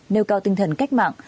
nêu cao tinh thần cách mạng